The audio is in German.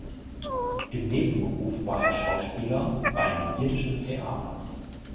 Im Nebenberuf war er Schauspieler beim Jiddischen Theater.